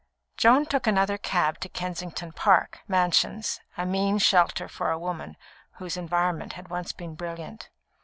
Joan took another cab to Kensington Park Mansions a mean shelter for a woman whose environment had once been brilliant.